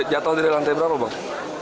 jatuh dari lantai berapa bang